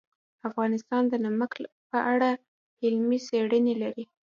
افغانستان د نمک په اړه علمي څېړنې لري.